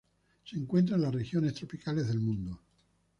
Se encuentra en las regiones tropicales del mundo.